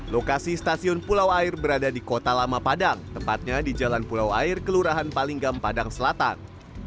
lokasi stasiun pulau air berada di kota lama padang tempatnya di jalan pulau air kelurahan palingnggam padang selatan